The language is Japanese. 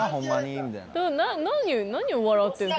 何を笑ってるの？